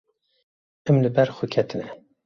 Em li ber xwe ketine.